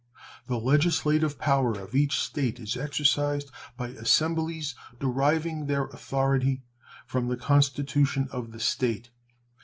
The legislative power of each State is exercised by assemblies deriving their authority from the constitution of the State.